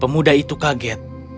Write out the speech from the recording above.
pemuda itu kaget